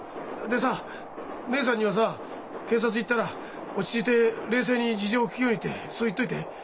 でさ義姉さんにはさ警察行ったら落ち着いて冷静に事情聞くようにってそう言っといて。